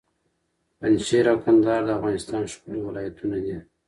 پنجشېر او کندهار د افغانستان ښکلي ولایتونه دي.